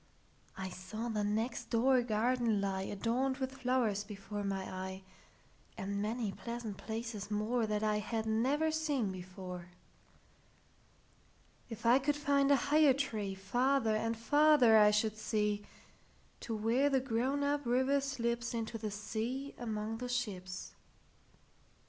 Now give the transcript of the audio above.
I saw the next door garden lie, Adorned with flowers, before my eye, And many pleasant places moreThat I had never seen before. If I could find a higher treeFarther and farther I should see, To where the grown up river slipsInto the sea among the ships.